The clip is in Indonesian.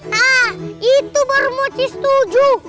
nah itu baru mochi setuju